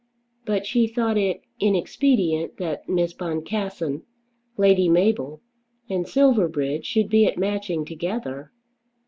But she thought it inexpedient that Miss Boncassen, Lady Mabel, and Silverbridge should be at Matching together.